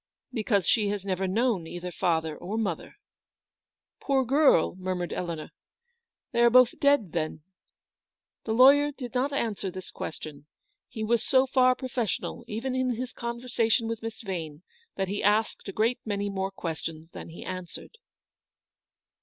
" Because she has never known either father or mother." " Poor girl !" murmured Eleanor ;" they are both dead, then? " The lawyer did not answer this question. He was so far professional, even in his conversation with Miss Yane, that he asked a great many more questions than he answered.